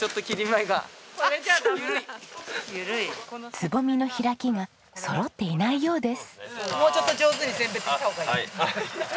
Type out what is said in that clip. つぼみの開きがそろっていないようです。